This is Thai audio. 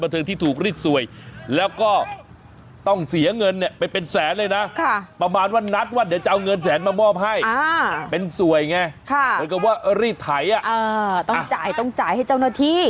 เหมือนกับว่ารีดไถต้องจ่ายต้องจ่ายให้เจ้าหน้าที่